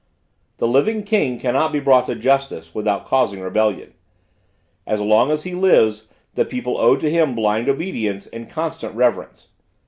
The living king cannot be brought to justice without causing rebellion. As long as he lives, the people owe to him blind obedience and constant reverence.